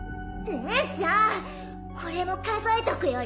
えじゃあこれも数えとくよ